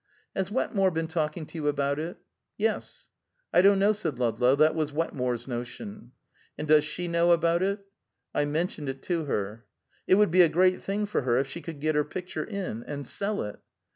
"Has Wetmore been talking to you about it?" "Yes." "I don't know," said Ludlow. "That was Wetmore's notion." "And does she know about it?" "I mentioned it to her." "It would be a great thing for her if she could get her picture in and sell it."